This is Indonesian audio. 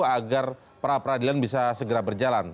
agar pra peradilan bisa segera berjalan